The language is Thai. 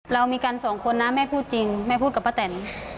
เรามีกันสองคนนะแม่พูดจริงแม่พูดกับป้าแตน